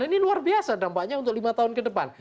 ini luar biasa dampaknya untuk lima tahun ke depan